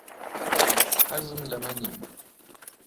حەزم لەمە نییە.